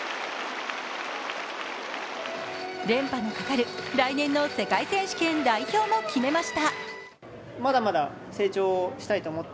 連覇のかかる、来年の世界選手権代表も決めました。